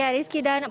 rizky dan paul